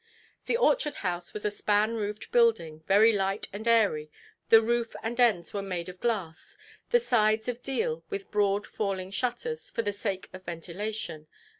The orchard–house was a span–roofed building, very light and airy; the roof and ends were made of glass, the sides of deal with broad falling shutters, for the sake of ventilation.